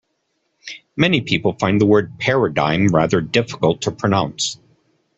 Many people find the word paradigm rather difficult to pronounce